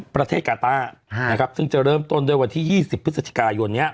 ประเทศกาต้าซึ่งจะเริ่มต้นด้วยวันที่๒๐พฤศจิกายนนี้